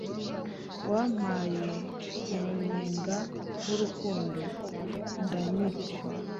wampaye umunyenga w'urukundo ndanyurwa